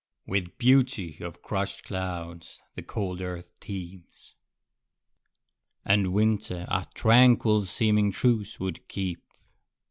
With beauty of crushed clouds the cold earth teems, And winter a tranquil seeming truce would keep.